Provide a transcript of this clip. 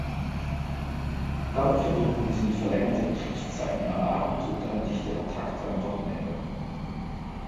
Damit verbunden sind verlängerte Betriebszeiten am Abend und ein dichterer Takt am Wochenende.